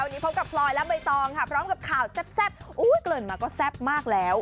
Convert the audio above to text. วันนี้พบกับพลอยและใบตองค่ะพร้อมกับข่าวแซ่บเกริ่นมาก็แซ่บมากแล้ว